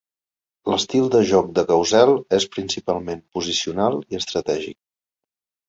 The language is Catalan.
L'estil de joc de Gausel és principalment posicional i estratègic.